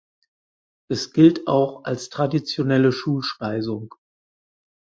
Es gilt auch als traditionelle Schulspeisung.